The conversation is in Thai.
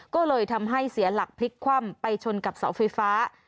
ก็เลยทำให้เสียหลักพลิกคว่ำไปชนกับเสาไฟฟ้า